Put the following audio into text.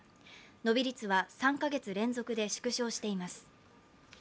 伸び率は３か月連続で縮小しています。